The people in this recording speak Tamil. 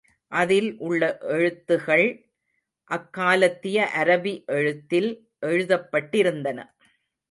அதில் உள்ள எழுத்துகள் அக்காலத்திய அரபி எழுத்தில் எழுதப்பட்டிருந்தன.